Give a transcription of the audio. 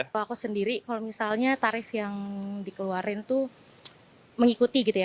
kalau aku sendiri kalau misalnya tarif yang dikeluarin tuh mengikuti gitu ya